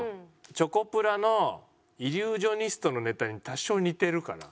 チョコプラのイリュージョニストのネタに多少似てるから。